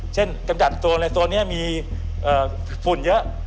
เช่นกำจัดโซนอะไรโซนนี้มีฝุ่นเยอะ